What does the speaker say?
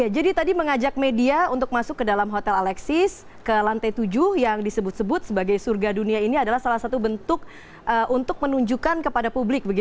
jadi tadi mengajak media untuk masuk ke dalam hotel alexis ke lantai tujuh yang disebut sebut sebagai surga dunia ini adalah salah satu bentuk untuk menunjukkan kepada publik